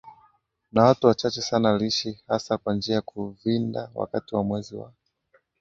na watu wachache sana Aliishi hasa kwa njia ya kuvindaWakati wa mwezi wa